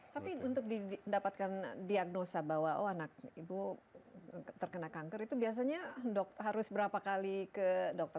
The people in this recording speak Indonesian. tapi untuk didapatkan diagnosa bahwa oh anak ibu terkena kanker itu biasanya harus berapa kali ke dokter